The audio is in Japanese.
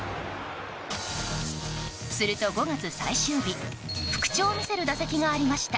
すると、５月最終日復調を見せる打席がありました。